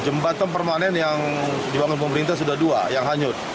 jembatan permanen yang dibangun pemerintah sudah dua yang hanyut